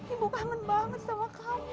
ibu kangen banget sama kamu